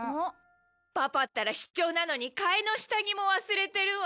パパったら出張なのに替えの下着も忘れてるわ。